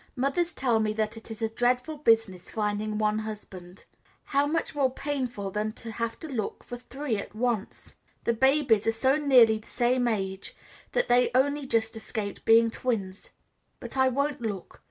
Mothers tell me that it is a dreadful business finding one husband; how much more painful then to have to look for three at once! the babies are so nearly the same age that they only just escaped being twins. But I won't look.